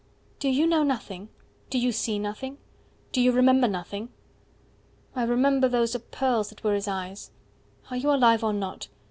120 "Do You know nothing? Do you see nothing? Do you remember Nothing?" I remember Those are pearls that were his eyes. 125 "Are you alive, or not?